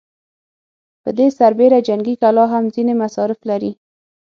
پر دې سربېره جنګي کلا هم ځينې مصارف لري.